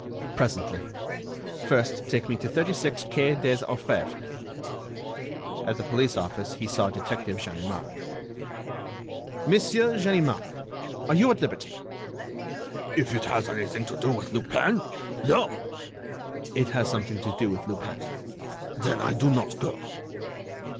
"Presently. First take me to 36 quai des Orfèvres." At the police office he saw Detective Ganimard. "Monsieur Ganimard, are you at liberty?" "If it has anything to do with Lupin—no!" "It has something to do with Lupin." "Then I do not go."